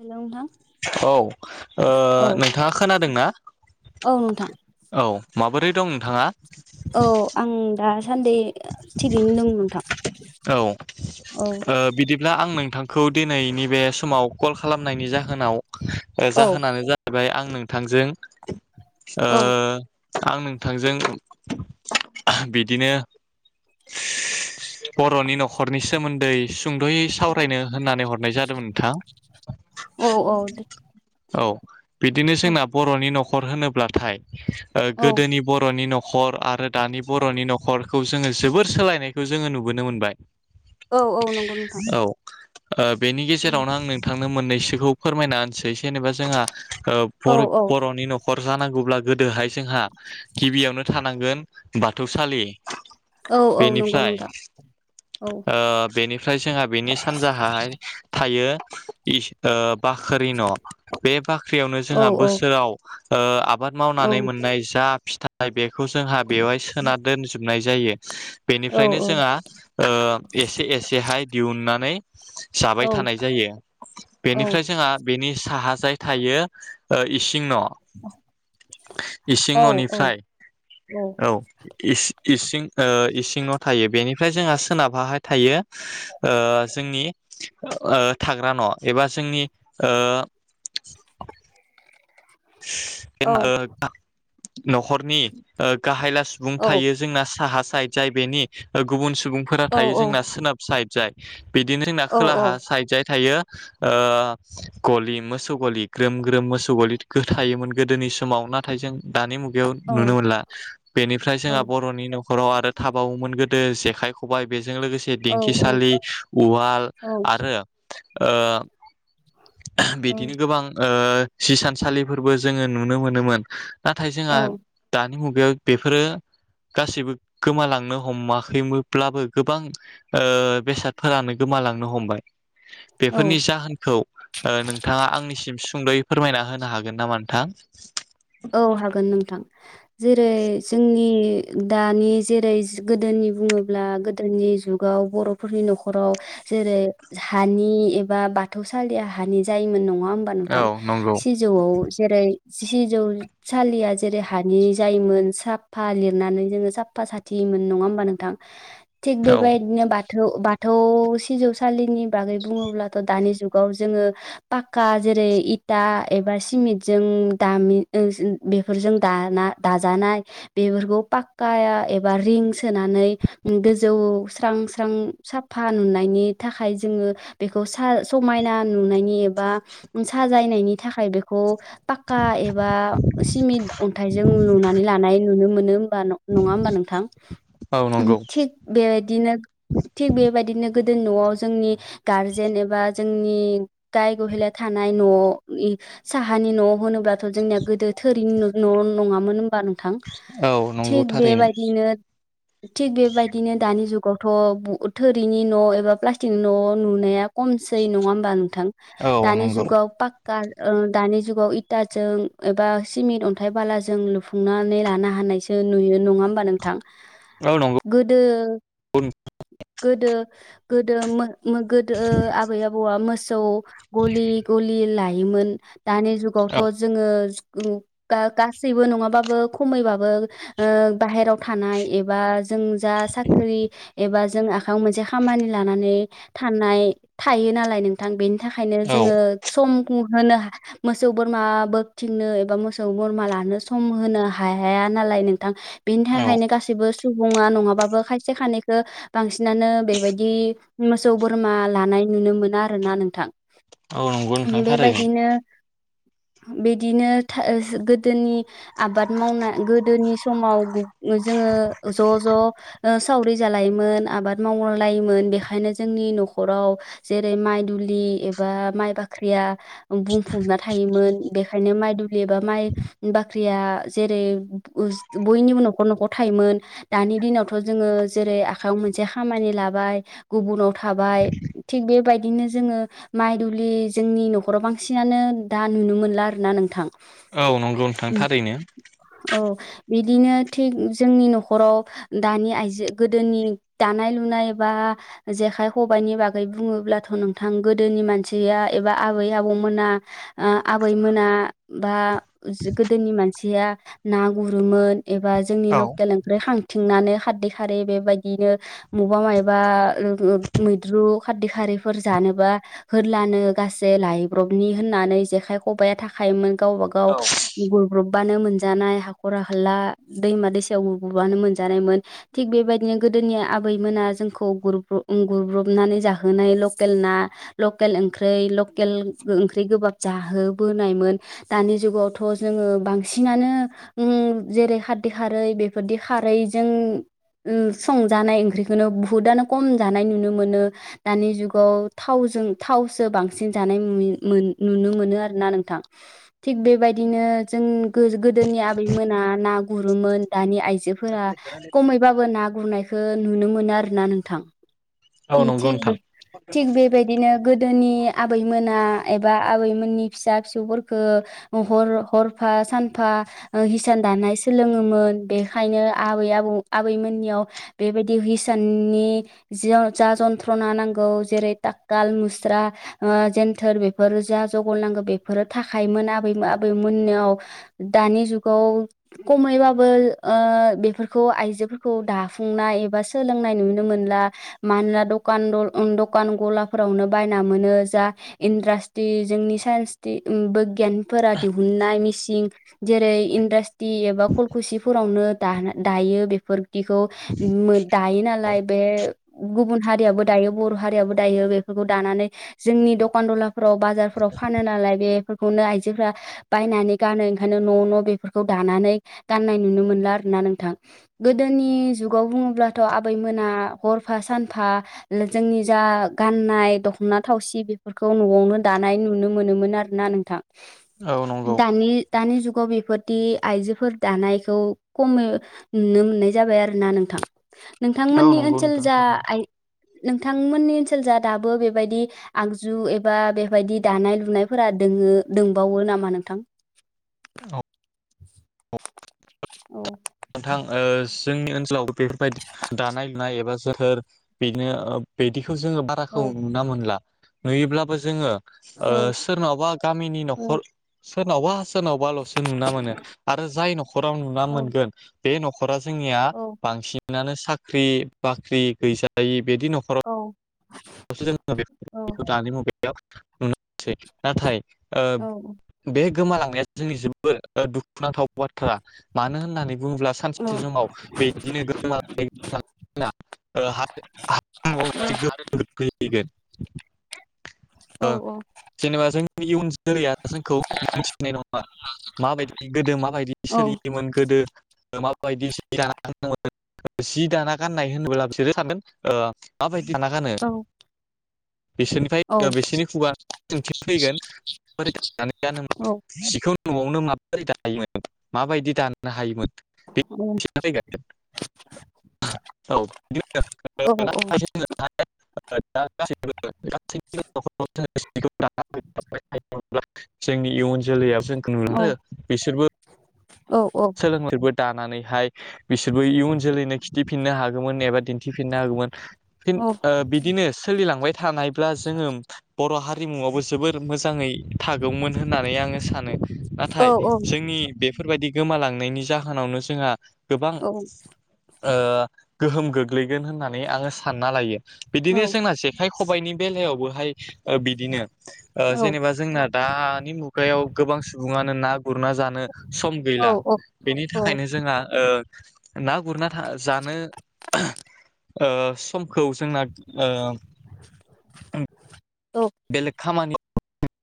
Hello नोंथां औ ओ औ नोंथाङा खोनादों ना औ नोंथां औ माबोरै दं नोंथाङा? औ आं दासान्दि थिगैनो दं नोंथां। औ औ बिदिब्ला ओ आं नोंथां खौ दिनैनि बेे समाव कल खालामनायनि जाहोनाव औ जाहोनानो जाहैबाय आं नों थांजों औ आं नोंथांजों बिदिनो बर'नि न'खरनि सोमोन्दै सुंद'यै सावराय रायनो होननानै हरनाय जादों नोंथां औ औ औ बिदिनो जोंना बर'नि न'खर होनोब्लाथाय औ गोदोनि बर'नि न'खर हर आरो दानि बर'नि न'खरखौ जोङो जोबोर सोलायनायखौ जोङो नुबोनो मोनबाय औ औ नंगौ नोंथां औ बेनि गेजेरावनो आं नोंथांनो मोननैसोखौ फोरमायना होनसै जेनेबा जोंहा ओ औ बर'नि न'खर जानांगौब्ला गोदोहाय जोंहा गिबियावनो थानांगोन बाथौसालि औ औ नंगौ बेनिफ्राय नोंथां औ ओ बेनिफ्राय जोंहा बेनि सानजाहाय थायो ओ बाख्रि न' बे बाख्रियावनो औ जोंहा औ बोसोराव आबाद औ मावनानै मोननाय जा फिथाइ बे खौ जोंहा बेवहाय सोना दोनजोबनाय जायो औ बेनिफ्रायनो जोंहा ओ एसे एसेहाय दिहुननानै जाबाय औ थानाय जायो औ बेनिफ्राय जोंहा बेनि साहा जाय थायो इसिं न' इसिं औ औ न'निफ्राय औ इस इसिं ओ इसिं सिं नआव थायो बेनिफ्राय जोंहा सोनाबाहाय थायो ओ जोंनि ओ थाग्रा न' एबा जोंनि ओ ओ न'खरनि ओ गाहाय सुबुं औ थायो जोंना साहा साइद जाय बेनि गुबुन सुबुंफोरा थायो जोंना सोनाब साइद जाय बिदिनो जोंना खोलाहा औ साइड जाय थायो। ओ गलि मोसौ गलि ग्रोम ग्रोम मोसौ गलि गोथायोमोन गोदोनि समाव नाथाय जों दानि मुगायाव नुनो मोनला बेनिफ्राय जोंहा बर'नि न ' न'खराव आरो थाबावोमोन गोदो जेखाय खबाइ बे बेजों लोगोसे दिंखिसालि उवाल आरो ओ बिदिनो गोबां ओ सिसानसालिफोरबो जोङो नुनो मोनोमोन नाथाय औ जोंहा दानि मुगायाव बेफोरो गासिबो गोमालांनो हमाखैमोनब्लाबो गोबां ओ बेसादफोरानो गो मालांनो हमबाय बेफोरनि जाहोनखौ नोंथाङा आंनिसिम सुंद'यै फोरमायना होनो हागोन होन नामा नोंथां औ हागोन नोंथां जेरै जोंनि दानि जेरै गोदोनि बुङोब्ला गोदोनि जाव बर'फोरनि न'खराव जेरै हानि एबा बाथौसालिया ह जायोमोन नङा होमबा औ नोंथां नंगौ सिजौआव जेरै सिजौ सालिया जेरै हानि जायोमोन साफा लिरनानै जोङो साफा साथिहोयोमोन नङा होमबा नोंथां थिग औ बेबायदिनो बाथौ बा थौ सिजौसालिनि बागै बुङोब्लाथ' दानि जुगाव जोङो पाक्का जेरै दा एबा सिमेन्टजों दामि बेफोरजों दाना दाजानाय बेफोरखौ पाक्काया एबा रिंस सोनानै गोजौ स्रां स्रां साफा नुनायनि थाखाय जोङो बेखौ समायना नुनायनि एबा बा साजायनायनि थाखाय बेखौ ए लुनानै लानाय नुनो मोनो होमबा नङा होमबा नोंथां औ नंगौ थिग बेबायदिनो थिग बेबायदिनो गोदो न'आव जोंनि गारजेन एबा जोंनि गाय गहला थानाय न'वाव साहानि न' होनोब्लाथ' जोंनिया गोदो थोरिनि न' नङामोन होमबा नोंथां औ नंगौ थिग थारैनो बेबायदिनो थिग बेबायदिनो दानि जुगावथ' थोरिनि न' एबा प्लास्टिकनि न' नुनाया खमै नङा होमबा नोंथां औ दानि नंगौ जुगाव पाका दा जुगाव इटा जों एबा सिमेन्ट अन्थाइ बालाजों लुफुंनानै लानो हानायसो नुयो नङा होमबा नोंथां औ नंगौ गोदो गोदो गोदो मो मोगो गोदो आबै आबौआ मोसौ गलि गलि लायोमोन दानि जु औ थ' जोङो गासैबो नङाबाबो खमैबाबो ओ बाहेराव थानाय एबा जों जा साख्रि एबा जों आखायाव मोनसे खामानि लानानै थानाय थायो। नालाय नोंथां बेनि थाखायनो औ जोङो सम होनो मोसौ बोरमा बोखथिंनो एबा मोसौ बोरमा लानो सम होनो हाया नालाय नोंथां बेनि औ थाखायनो गासैबो सुबुङा नङाबाबो खायसे खानैखौ बांसिनानो बेबायदि मोसौ बोरमा लानाय नुनो मोना आरोना नोंथां औ नंगौ नोंथां थारैनो बेबायदिनो बिदिनो गोदोनि आबाद मावनाय गोदोनि समाव गु जोङो ज' ज' सावरि जालायोमोन आबाद मावलायोमोन बेनिखायनो जोंनि न'खराव जेरै माइ दु ब्लि एबा माइ बाख्रि बुंफुबना था थायोमोन बेखायनो माइ दुलि एबा माइ बाख्रिया जेरै बयनि उनाव न'खर न'खर थायोमोन दानि दिनावथ' जोङो जेरै आखयाव मोनसे खामानि लाबाय गुबुनाव थाबाय थिग बेबायदिनो जोङो माइ दुलि जोंनि न'खराव बांसिनानो दा नुनो मोनला आरो ना नोंथां औ नंगौ नोंथां थारैनो औ बिदिनो थिग जोंनि न'खराव दानि आइजो गोदोनि दानाय लुनाय बा जेखाइ खबाइनि बागै बुङोब्लाथ' नोंथां गोदोनि मानसिया एबा आबै आबौमोना। ना आबैमोना बा गोदोनि मानसिया ना गुरोमोन। एबा जोंनि औ लकेल ओंख्रै खां थिंनानै खारदै खारो बेबायदिनो बबेबा माबा मैद्रु खारदै खार रै जानोबा हलानो गास लायब्रनि होननानै जेखाइ खबाइआ थाखायायोमोन गावबा गाव औ गुरब्र बानो मोनजानाय हाख'र हाला दैमा दैसायाव बबानो मोनजानायमोन। थिग बेबायदिनो गोद दोनिया आबैमोना जोंखौ गुरब्रबनानै जाहोनाय लकेल ना लकेल ओं ख्रै लकेल ओंख्रि गोबाब जाहोबोनायमोन। दानि जुगावथ' जोङो बांसिनानो उम जेरै खा रदै खारै बेफोरदि खारैजों संजानाय ओंख्रिखौनो बुहुतआनो खम जानाय नुनो मोनो। दानि जुगाव थाव जों थावसो बांसिन जानाय मोन नुनो मोनो आरोना नोंथां। थि बेबायदिनो जों गोदोनि आबै मोनोना ना गु रोमोन। दानि आइजोफोरा खमैबाबो ना गुरनायखौ नुनो मोनो आरो ना नोंथां। औ नंगौ थिग नोंथां थिग बेबायदिनो गोदोनि आबैमोना एब बा आबैमोननि फिसा फिसौफोरखौ हर हरफा सानफा हिसान दान नाय सोलोङोमोन। बेखायनो आबै आबौ आबैमोननियाव बेबायदि हिसाननि जा जन्थ्रना नांगौ जेरै ततकाल मुस्रा जोन्थोर बे फोर जा जग नांगौ बेफोरो थाखायोमोन आबैमोन आबैमोननियाव दानि जुगाव खमैबाबो ओ बेफोरखौ आइजोफोरखौ दाफुंनाय एबा सोलोंनाय नुनो मोन ला। मानोना दखान गलाफोरावनो बायना मोनो जा इनद्रा दि जोंनि साइन्स टि उम बोगियानफोरा दिहुननाय मिसिं जेरै इण्डास्ट एबा खलखुसिफोरावनो दाना दायो बेफोरदिखौ मो दायो नालाय बे गुबुन हारियाबो दायो बर' हारियाबो दायो बेफोरखौ दानानै जोंनि दकान दला फोराव बाजारफोराव फानो नालाय बे खौनो आइजोफोरा बायनानै गानो ओंखायनो न' न' बेफोरखौ दानानै गाननाय नुनो मोनला आरोना। नोंथां गोदोनि जुगाव बुङोब्लाथ' आबैमोना हरफा सानफा जोंनि जा गाननाय दख'ना थावसि बेफोरखौ न'आवनो दानाय नुनो मोनोमोन आरोना नोंथां औ नंगौ दानि दानि जु गाव बेफोरदि आइजोफोर दानायखौ खमो नुनो मोननाय जाबाय आरोना नोंथां। औ नोंथांमोननि नंगौ ओनसोल नोंथां जा थारैनो आइ नोंथांमोननि सोलजा दाबो बेबायदि आगजु एबा बे बेफोरबायदि दानाय लुनायफोरा दोङो दोंबावो नामा नोंथां? औ। अह। नोंथां ओ जोंनि ओनसोलाव बेफोरबायदि दानाय लुनाय एबा जोथोर बेदिनो ओ बिदि बेखौ जोङो औ बाराखौ नुना मोनला नुयोब्लाबो जोङो ओ औ सोरनावबा गामिनि न'खर सोरनावबा सोरनावबाल'सो नुना मोनो आरो जाय न'खराव नुना औ मोनगोन बे न'ख खरा जोंनिया बांसिनानो साख्रि बाख्रि गैजायि बिदि न'खराव औ औ [unintelligible] नुनो मोनसै नाथाय ओ बे गोमालांनाया जोंनि जोबोर दुखुनांथाव बाथ्रा मानो होननानै बुङोब्ला औ सानसे समाव बिदिनो [unintelligible] [unintelligible] औ ओ औ। जेनेबा जोंनि इयुन जोलैया जोंखौ मोनथिनाय नङा। माबायदि गोदो माबायदि सोलियोमोन गोदो माबायदि सोलिना दंमोन जि दाना गाननाय होनोबोला बिसोरो सानगोन ओ माबायदि दाना गानो बिसोरनिफ्राय बिसोरनि खुगा सोंथि फैगोन माबोरै दानानै गानोमोन जिखौ न'आवनो माबोरै दायोमोन माबायदि दानो हायोमोन बे मिथिना फैगोन [unintelligible] औ [unintelligible] [unintelligible] [unintelligible] जोंनि इयुन जोलैया जोंखौ [unintelligible] बिसोरबो [unintelligible] दानानैहाय बिसोरबो इयुन जोलैनो खिथिफिननो हागोमोन एबा दि न्थिफिननो हागोमोन फिन ओ बिदिनो सोलिलांबाय थानायब्ला जोङो बर' हा मुवाबो जोबोर मोजाङै थागौमोन होननानै आङो सानो। नाथाय जोंनि बेफोरबायदि गोमालांनायनि जाहोनावनो जोंहा गोबां ओ गोहोम गोग्लैगोन होननानै आङो सानना लायो बिदिनो जोंना जेखाइ खबाइनि बेलायावबोहाय ओ बिदिनो ओ जेनेबा जोंना दानि मुगायाव गोबां सुबुङानो ना गुरना जानो सम गैला बेनि थाखायनो जोंहा ओ ओ ना गुरना था जानो ओ समखौ जोंना ओ [inaudible] बेलेग खामानि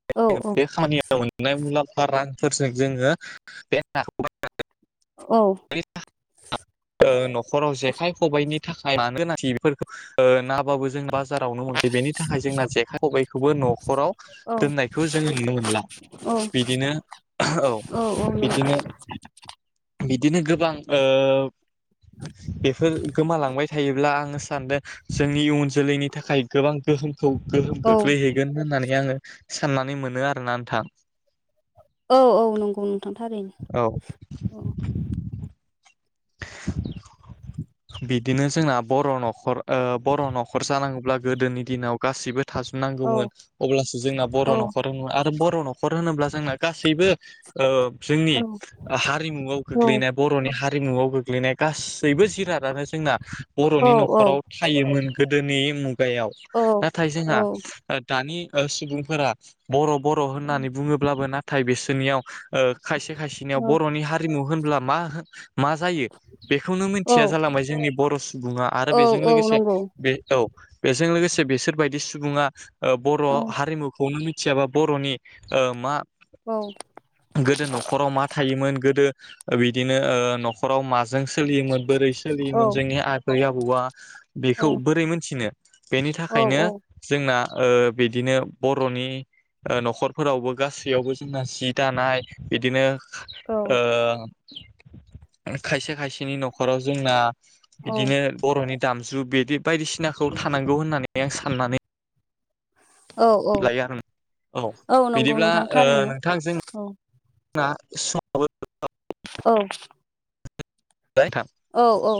[unintelligible] [unintelligible] ओ न'खराव जेखाइ खबायाइनि थाखाय मानो गोनांथि बेफोरखौ ओ नाबो जों बाजारावनो मोनखायो बेनि थाखाय जोंना जेखाइ खबाइखौबो न'खराव दोननायखौ जोङो नुनो मोनला बिदिनो औ बिदिनो बिदिनो गोबां ओ बेफोर गोमालांबाय थायोब्ला आङो सानदों जोंनि इयुन जोलैनि थाखाय गोबां गोहोमखौ गोहोम गोग्लैहैगोन होननानै आङो साननानै मोनो आरोना नोंथां औ औ नंगौ नोंथां औ थारैनो औ। [inaudible] [inaudible] बिदिनो जोंना बर' न'खर ओ बर' न'खर जानाङोब्ला गोदोनि दिनाव गासिबो औ थाजोबनांगौमोन अब्लासो जोंना औ बर' न'खर होनो आरो बर' न'खर होनोब्ला जोंना गासैबो ओ जोंनि औ हारिमुआव गोग्लैनाय बर'नि हारिमुआव गोग्लैनाय गासैबो जिरादानो जोंना बर'नि औ औ न'खराव थायोमोन गोदोनि मु गायाव नाथाय ओ जोंहा ओ दानि ओ सुबुंफोरा बर' बर' होननानै बुङोब्लाबो नाथाय बिसोरनियाव ओ खायसे खायसेनियाव बर'नि हारिमु होनब्ला मा होन मा जायो बेखौनो औ मिथिया जालांबाय जोंनि बर' सु बुङा आरो बेजों औ लोगोसे नंगौ बे औ बेजों लोगोसे बेसोरबायदि सुबुङा ओ बर' औ हारिमुखौनो मिथियाबा बर'नि ओ मा औ गोदो न'खराव मा थायोमोन गोदो बिदिनो ओ न'खराव मा जों सोलियोमोन बोरै औ सोलियोमोन जोंनि आबै आबौआ औ बेखौ बोरै मोनथिनो बेनि थाखायनो जोंना ओ बिदिनो बर'नि ओ न'खरफोरावबो गासैयावबो जोंना जि दानाय बिदिनो ओ खायसे खायसेनि न'खराव जोंना बिदिनो बर'नि दामजु बेदि बायदिसिनाखौ थानांगौ होननानै आं साननानै औ लायो आरो औ नंगौ बिदिब्ला नोंथां ओ थारैनो नोंथां जों औ ना समाबो [unintelligible] औ जाबाय नोंथां औ औ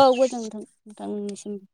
औ गोजोनथों नोंथांनिसिम उम।